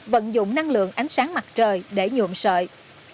vận dụng năng lượng ánh sáng mặt trời để nhuộm sợi